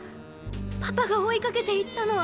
パパが追い掛けて行ったのは。